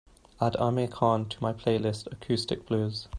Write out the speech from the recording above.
Add Amir Khan to my playlist Acoustic Blues